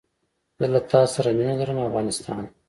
زه له تاسره مینه لرم افغانستانه